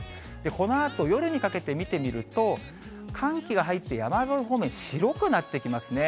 このあと夜にかけて見てみると、寒気が入って山沿い方面、白くなってきますね。